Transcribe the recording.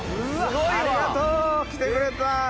ありがとう来てくれた。